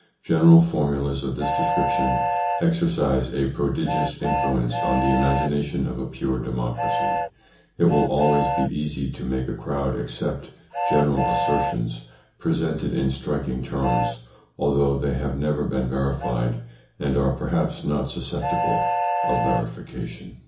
General formulas of this description exercise a prodigious influence on the imagination of a pure democracy. It will always be easy to make a crowd accept general assertions, presented in striking terms, although they have never been verified, and are perhaps not susceptible of verification."